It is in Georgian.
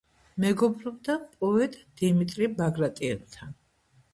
მეგობრობდა პოეტ დიმიტრი ბაგრატიონთან.